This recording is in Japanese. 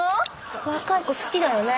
若い子好きだよね。